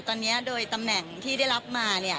ตอนนี้โดยตำแหน่งที่ได้รับมาเนี่ย